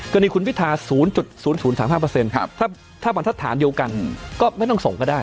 คดีคุณวิทยาศูนย์๐๐๐๓๕ถ้ามันทัศนเดียวกันก็ไม่ต้องส่งก็ได้